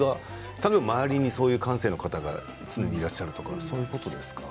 多分、周りにそういう感性の方が常にいらっしゃるとかそういうことですか？